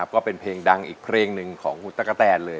ก็เป็นเพลงดังอีกเพลงหนึ่งของคุณตะกะแตนเลย